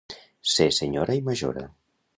Ser senyora i majora.